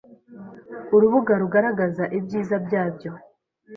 Urubuga rugaragaza ibyiza byabyo